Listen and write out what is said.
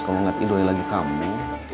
kalau ngeliat idulnya lagi kamu